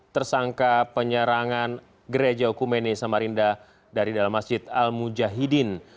tersangka penyerangan gereja hukumene samarinda dari dalam masjid al mujahidin